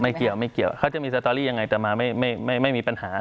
ไม่เกี่ยวไม่เกี่ยวเขาจะมีสตอรี่ยังไงต่อมาไม่ไม่ไม่ไม่มีปัญหา